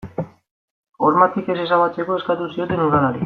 Hormatik ez ezabatzeko eskatu zioten udalari.